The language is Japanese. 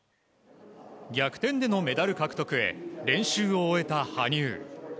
逆転でのメダル獲得へ、練習を終えた羽生。